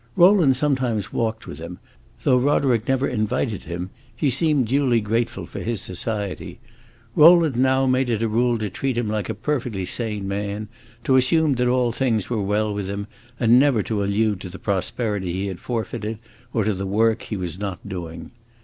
Rowland sometimes walked with him; though Roderick never invited him, he seemed duly grateful for his society. Rowland now made it a rule to treat him like a perfectly sane man, to assume that all things were well with him, and never to allude to the prosperity he had forfeited or to the work he was not doing.